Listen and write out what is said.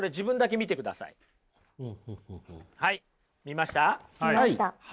見ました。